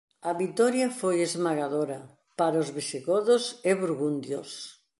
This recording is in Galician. A vitoria foi esmagadora para os visigodos e burgundios.